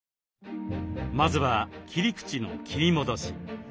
まずは切り口の切り戻し。